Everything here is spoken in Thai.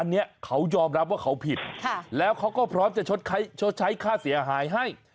อันนี้เขายอมรับว่าเขาผิดแล้วเขาก็พร้อมจะชดใช้ค่าเสียหายให้